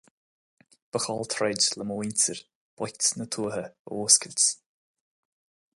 Ba chall troid le mo mhuintir, boicht na tuaithe, a fhuascailt.